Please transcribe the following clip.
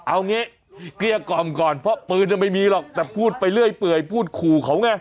เอางี้เกลี้ยกล่อมก่อนเพราะปืนไม่มีหรอกแต่พูดไปเรื่อยเปื่อยพูดขู่เขาไง